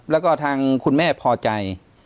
แล้วก็ทางคุณแม่พอใจ